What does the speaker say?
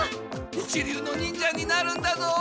一流の忍者になるんだぞ！